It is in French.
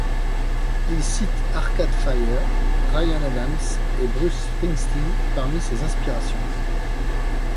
Il cite Arcade Fire, Ryan Adams, et Bruce Springsteen parmi ses inspirations.